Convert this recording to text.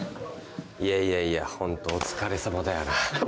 いやいやいやホントお疲れさまだよな。